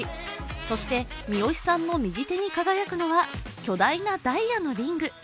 そして三吉さんの右手に輝くのは巨大な輝くリング。